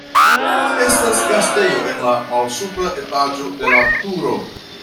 Estas gastejo en la malsupra etaĝo de la turo.